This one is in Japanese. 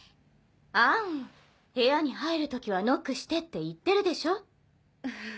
アン部屋に入る時はノックしてって言ってるでしょ。